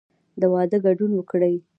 د واده ګډون وکړئ